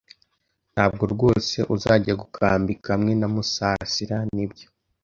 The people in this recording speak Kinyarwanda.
Ntabwo rwose uzajya gukambika hamwe na Musasira, nibyo?